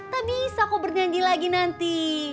tak bisa aku bernyanyi lagi nanti